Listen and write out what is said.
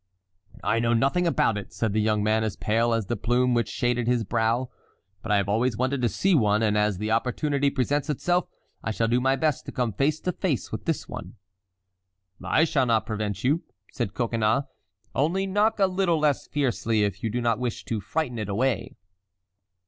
"I know nothing about it," said the young man as pale as the plume which shaded his brow; "but I have always wanted to see one, and as the opportunity presents itself I shall do my best to come face to face with this one." "I shall not prevent you," said Coconnas, "only knock a little less fiercely if you do not wish to frighten it away."